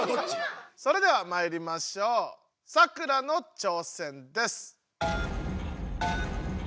それではまいりましょうサクラの挑戦です！